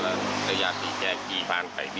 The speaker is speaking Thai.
ส่งมาขอความช่วยเหลือจากเพื่อนครับ